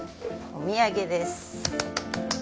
お土産です。